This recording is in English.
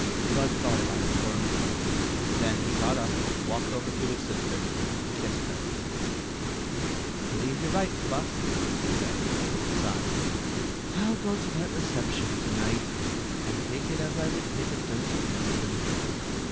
Bud thought about it for a minute. 7 hen he got up, walked over to .his sister, mid kissed her. " I b'iieve you 're right, Fluff, he said, with a sigh. " I '11 go to that reception to night, and take it as I would take a dose of medicine."